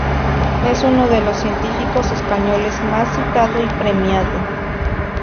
Es uno de los científicos españoles más citado y premiado.